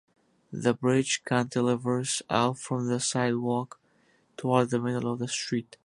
The bridge cantilevers out from the sidewalk toward the middle of the street.